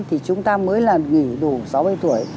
thì chúng ta mới là nghỉ đủ sáu mươi tuổi